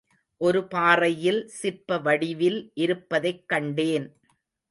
ஒரு பாறையில் சிற்ப வடிவில் இருப்பதைக் கண்டேன்.